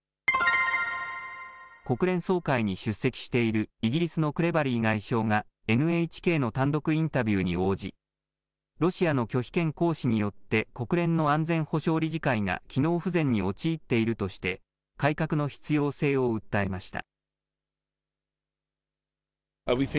国連総会に出席しているイギリスのクレバリー外相がＮＨＫの単独インタビューに応じロシアの拒否権行使によって国連の安全保障理事会が機能不全に陥っているとして改革の必要性を訴えました。